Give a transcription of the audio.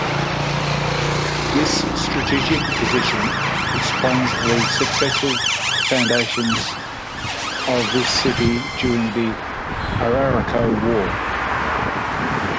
This strategic position explains the successive foundations of this city during the Arauco War.